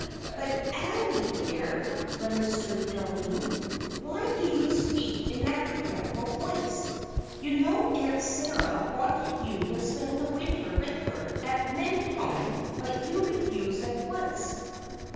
"But, Ally, dear," remonstrated Doreen, "why do you speak in that regretful voice? You know Aunt Sara wanted you to spend the winter with her at Mentone, but you refused at once."